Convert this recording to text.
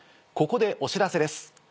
ここでお知らせです。